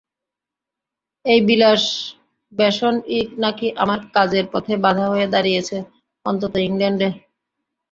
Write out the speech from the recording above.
এই বিলাস-ব্যসনই নাকি আমার কাজের পথে বাধা হয়ে দাঁড়িয়েছে, অন্তত ইংলণ্ডে।